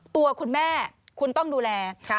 ตัวคุณแม่คุณต้องดูแล